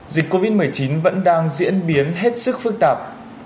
dịch covid một mươi chín vẫn đang diễn biến hết sức phức tạp